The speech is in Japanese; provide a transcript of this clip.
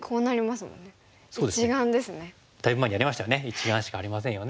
１眼しかありませんよね。